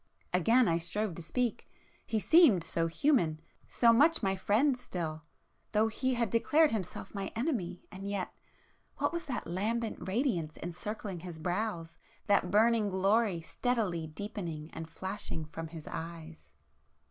Again I strove to speak,—he seemed so human,—so much my friend still, though he had declared himself my Enemy,——and yet ... what was that lambent radiance encircling his brows?—that burning glory steadily deepening and flashing from his eyes?